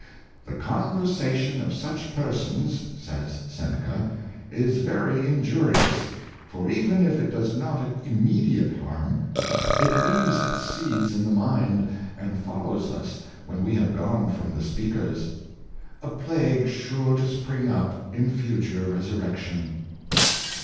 '' The conversation of such per sons," says Seneca, " is very injurious, for even if it does not immediate harm, it leaves its seeds in the mind, and follows us when we have gone from the speakers — a plague sure to spring up in future resur rection."